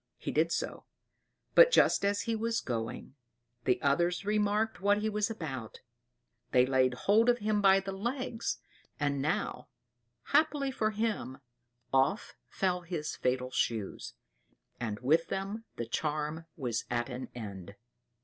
He did so; but just as he was going, the others remarked what he was about; they laid hold of him by the legs; and now, happily for him, off fell his fatal shoes and with them the charm was at an end.